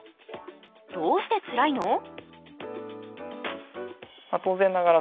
どうしてつらいの？